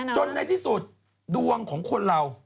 จนในที่สุดดวงของคนเรา